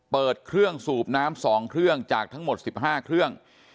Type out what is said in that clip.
เปิดเครื่องสูบน้ำ๒เครื่องจากทั้งหมด๑๕เครื่อง